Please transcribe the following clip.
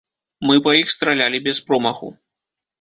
Мы па іх стралялі без промаху.